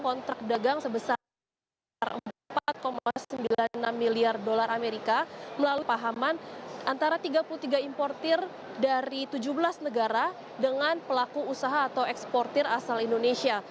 kontrak dagang sebesar empat sembilan puluh enam miliar dolar amerika melalui pahaman antara tiga puluh tiga importir dari tujuh belas negara dengan pelaku usaha atau eksportir asal indonesia